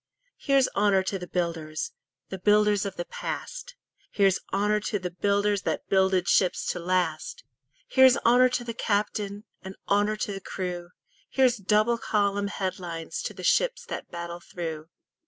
Here's honour to the builders – The builders of the past; Here's honour to the builders That builded ships to last; Here's honour to the captain, And honour to the crew; Here's double column headlines To the ships that battle through.